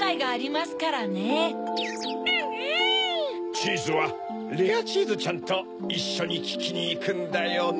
チーズはレアチーズちゃんといっしょにききにいくんだよね。